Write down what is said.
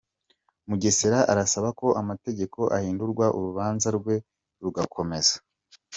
Mugesera arasaba ko amategeko ahindurwa urubanza rwe rugakomeza